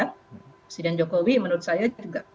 presiden jokowi menurut saya juga